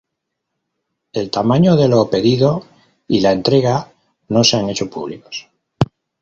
El tamaño de lo pedido y la entrega no se han hecho públicos.